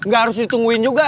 gak harus ditungguin juga